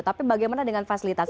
tapi bagaimana dengan fasilitas